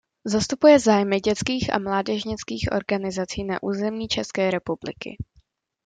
Zastupuje zájmy dětských a mládežnických organizací na území České republiky.